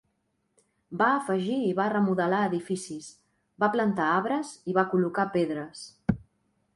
Va afegir i va remodelar edificis, va plantar arbres i va col·locar pedres.